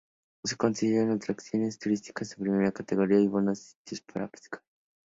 Se consideran atracciones turísticas de primera categoría y buenos sitios para pescar.